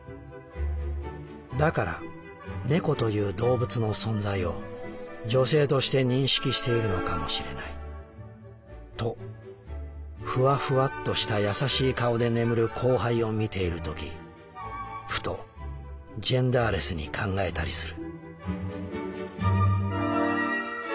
だから猫というどうぶつの存在を女性として認識しているのかもしれないとふわふわっとしたやさしい顔で眠るコウハイを見ている時ふとジェンダーレスに考えたりする」。